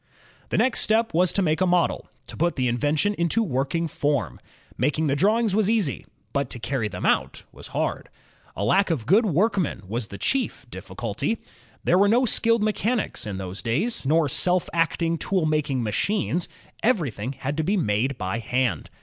The next step was to make a model, to put the invention into working form. Making the drawings was easy, but to carry them out was hard. A lack of good workmen was the chief difficulty. There were no skilled mechanics in those days, nor self acting tool making machines; everything had to be made by hand.